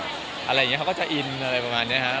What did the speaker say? อะไรอย่างนี้เขาก็จะอินอะไรประมาณนี้ครับ